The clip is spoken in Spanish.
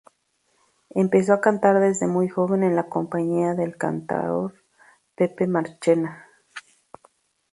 Empezó a cantar desde muy joven en la compañía del cantaor Pepe Marchena.